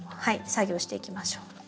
はい作業していきましょう。